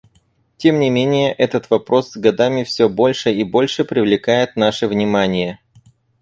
Тем не менее, этот вопрос с годами все больше и больше привлекает наше внимание.